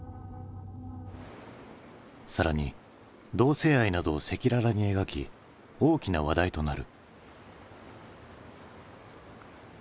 更に同性愛などを赤裸々に描き大きな話題となる。